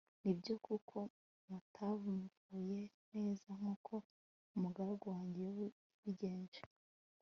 nibyo kuko mutamvuze neza nk'uko umugaragu wanjye yobu yabigenje